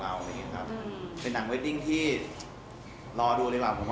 เขามาเขียนบทแล้วก็กำกับให้